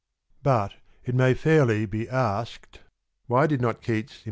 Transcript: But, it may fairly be asked, why did not Keats j;^^^;;',^?